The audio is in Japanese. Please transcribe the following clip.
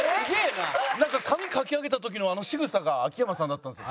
なんか髪かき上げた時のあのしぐさが秋山さんだったんですよ。